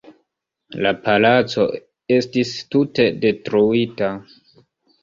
La palaco estis tute detruita.